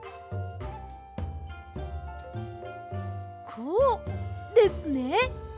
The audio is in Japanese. こうですね。